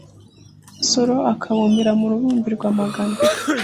Nsoro akabumbira mu Rubumbirirwa-magana.